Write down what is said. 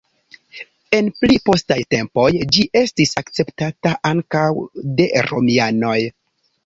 En pli postaj tempoj ĝi estis akceptata ankaŭ de romianoj.